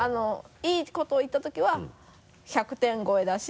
いいことを言ったときは１００点超えだし。